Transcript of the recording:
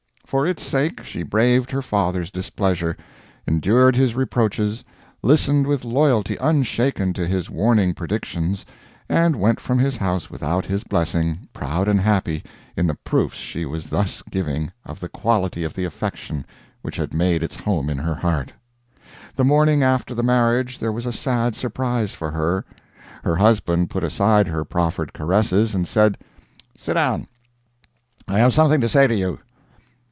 For its sake she braved her father's displeasure, endured his reproaches, listened with loyalty unshaken to his warning predictions, and went from his house without his blessing, proud and happy in the proofs she was thus giving of the quality of the affection which had made its home in her heart. The morning after the marriage there was a sad surprise for her. Her husband put aside her proffered caresses, and said: "Sit down. I have something to say to you.